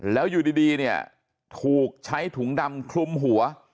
แล้วอยู่ดีเนี่ยถูกใช้ถุงดำคลุมหัว